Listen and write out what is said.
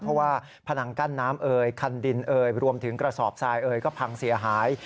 เพราะว่าพนังกั้นน้ำเอ่ยคันดินเอ่ยรวมถึงกระสอบทรายเอ่ยก็พังเสียหาย